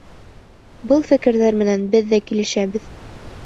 Был фекерҙәр менән беҙ ҙә килешәбеҙ.